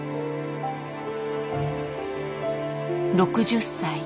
６０歳。